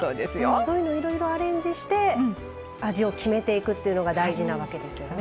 そういうのいろいろアレンジして味を決めていくっていうのが大事なわけですよね。